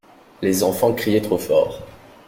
Les enfants criaient trop fort.